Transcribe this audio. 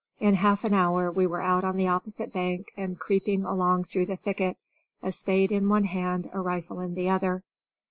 In half an hour we were out on the opposite bank and creeping along through the thicket, a spade in one hand a rifle in the other.